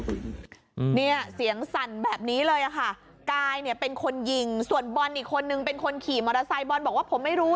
พี่ยิงเพื่อกี้เอางั้น๓นัดครับเข้าในแมซม่าของผมยังไป๕นัด